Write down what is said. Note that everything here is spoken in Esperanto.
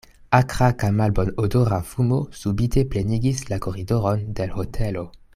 Akra kaj malbonodora fumo subite plenigis la koridoron de l' hotelo.